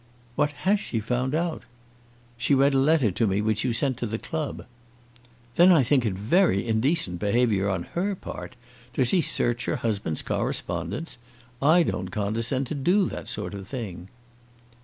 "What has she found out?" "She read a letter to me which you sent to the club." "Then I think it very indecent behaviour on her part. Does she search her husband's correspondence? I don't condescend to do that sort of thing."